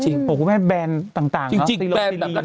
โหคุณแม่แบรนด์ต่างนะซีโรงซีรีส์